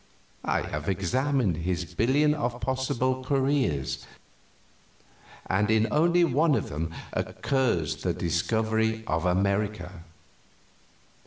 I have examined his billion of possible careers, and in only one of them occurs the discovery of America.